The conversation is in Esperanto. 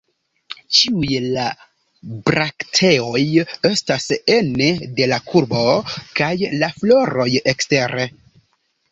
Ĉiuj la brakteoj estas ene de la kurbo, kaj la floroj ekstere.